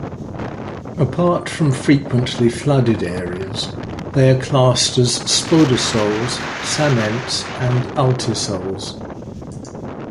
Apart from frequently flooded areas, they are classed as Spodosols, Psamments and Ultisols.